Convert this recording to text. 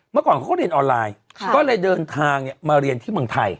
เมื่อก่อนเขาก็เรียนออนไลน์ก็เลยเดินทางมาเรียนที่เมืองไทย